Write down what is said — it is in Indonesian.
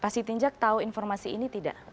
pasitinjak tahu informasi ini tidak